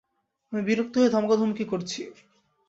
আমি বিরক্ত হয়ে ধমকাধিমকি করছি।